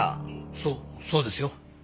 そそうですよ。